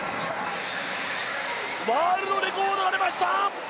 ワールドレコードが出ました！